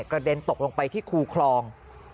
เด็นตกลงไปที่คูคลอง